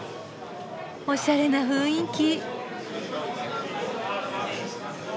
おしゃれな雰囲気。